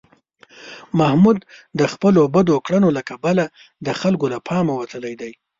محمود د خپلو بدو کړنو له کبله د خلکو له پامه وتلی دی.